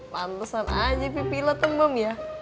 pantesan aja pipi lo tembem ya